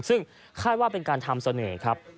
ซึ่งคาดว่าเป็นการทำเสน่ห์ครับ